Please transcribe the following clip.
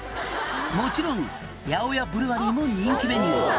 「もちろん８０８ブルワリーも人気メニュー」